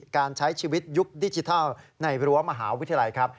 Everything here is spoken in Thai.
การใช้ชีวิตยุคดิจิทัลในรั้วมหาวิทยาลัยครับ